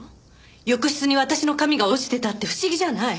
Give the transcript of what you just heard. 浴室に私の髪が落ちてたって不思議じゃない。